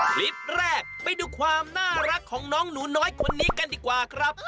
คลิปแรกไปดูความน่ารักของน้องหนูน้อยคนนี้กันดีกว่าครับ